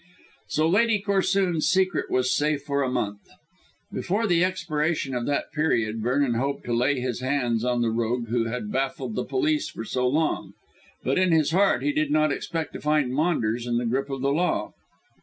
So Lady Corsoon's secret was safe for a month. Before the expiration of that period Vernon hoped to lay hands on the rogue who had baffled the police for so long. But in his heart he did not expect to find Maunders in the grip of the law.